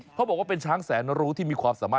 เขาบอกว่าเป็นช้างแสนรู้ที่มีความสามารถ